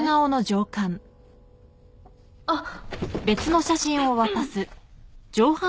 あっ！